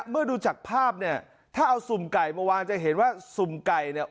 เมื่อดูจากภาพเนี่ยถ้าเอาสุ่มไก่มาวางจะเห็นว่าสุ่มไก่เนี่ย